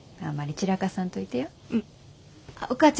あんまり散らかさんといてよ。